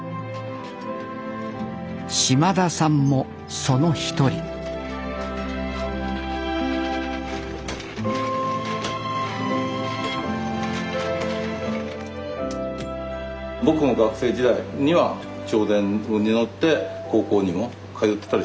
島田さんもその一人僕も学生時代には銚電に乗って高校にも通ってたりして。